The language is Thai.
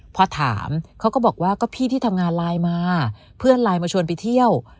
พอถามเขาก็บอกว่าก็พี่ที่ทำงานไลน์มาเพื่อนไลน์มาชวนไปเที่ยว